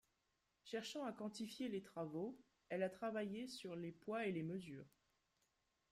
Cherchant à quantifier les travaux, elle a travaillé sur les poids et mesures.